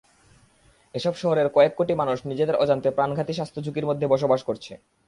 এসব শহরের কয়েক কোটি মানুষ নিজেদের অজান্তে প্রাণঘাতী স্বাস্থ্যঝুঁকির মধ্যে বসবাস করছে।